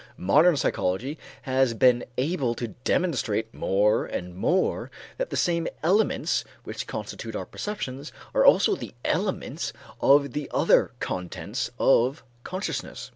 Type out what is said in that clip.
Modern psychology has been able to demonstrate more and more that the same elements which constitute our perceptions are also the elements of the other contents of consciousness.